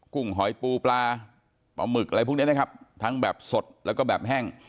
ุ้งหอยปูปลาปลาหมึกอะไรพวกนี้นะครับทั้งแบบสดแล้วก็แบบแห้ง